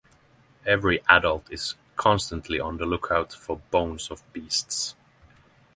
Every adult is constantly on the lookout for bones of beasts.